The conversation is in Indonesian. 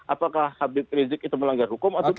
apakah habib rizik itu melanggar hukum atau tidak